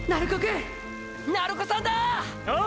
鳴子さんだああ！！